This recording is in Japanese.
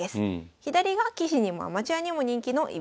左が棋士にもアマチュアにも人気の居飛車穴熊。